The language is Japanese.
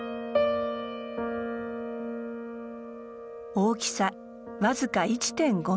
大きさ僅か１．５ミリ。